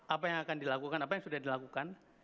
apa yang akan dilakukan apa yang sudah dilakukan